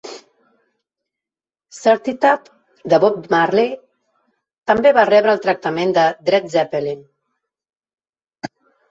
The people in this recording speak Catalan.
"Stir It Up" de Bob Marley també va rebre el tractament de Dread Zeppelin.